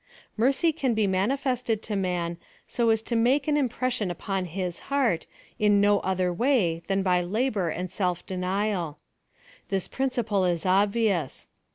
Mercy can be manifested to man, so as to make an impression upon his heart, in no other way than by labor and self denial. This principle is obvious.